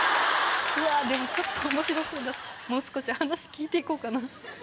でもちょっとおもしろそうだしもう少し話聞いて行こうかな。